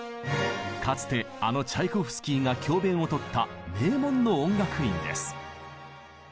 かつてあのチャイコフスキーが教べんを執った名門の音楽院です。